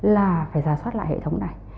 là phải giả soát lại hệ thống này